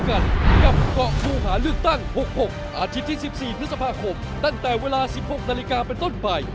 กันกับเกาะผู้หาเลือกตั้ง๖๖อาทิตย์ที่๑๔พฤษภาคมตั้งแต่เวลา๑๖นาฬิกาเป็นต้นไป